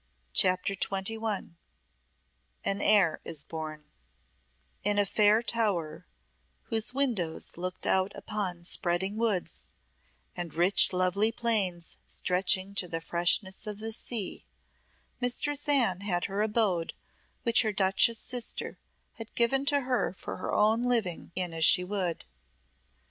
CHAPTER XXI An heir is born In a fair tower whose windows looked out upon spreading woods, and rich lovely plains stretching to the freshness of the sea, Mistress Anne had her abode which her duchess sister had given to her for her own living in as she would.